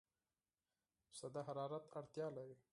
پسه د حرارت اړتیا لري.